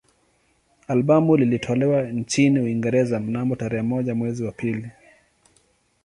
Albamu ilitolewa nchini Uingereza mnamo tarehe moja mwezi wa pili